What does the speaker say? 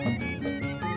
terima kasih pak